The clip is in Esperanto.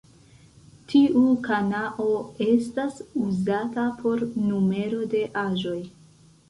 Tiu kanao estas uzata por numero de aĵoj.